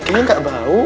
ini gak bau